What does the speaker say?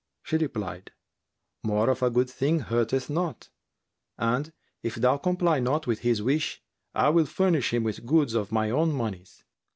She replied, "More of a good thing hurteth not; and, if thou comply not with his wish, I will furnish him with goods of my own monies."